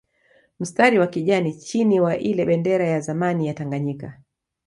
Mstari wa kijani chini wa ile bendera ya zamani ya Tanganyika